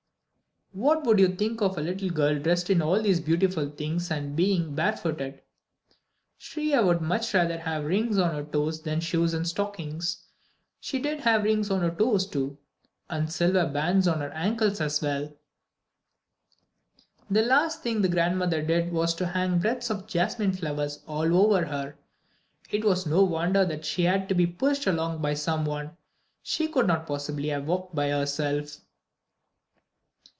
What would you think of a little girl dressed in all these beautiful things and being barefooted? Shriya would much rather have rings on her toes than shoes and stockings. She did have rings on her toes, too, and silver bands on her ankles as well. The last thing the grandmother did was to hang wreaths of jasmine flowers all over her. It was no wonder that she had to be pushed along by some one! She could not possibly have walked by herself.